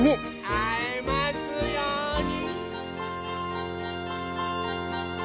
あえますように。